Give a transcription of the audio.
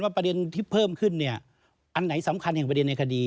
ประเด็นที่เพิ่มขึ้นเนี่ยอันไหนสำคัญแห่งประเด็นในคดี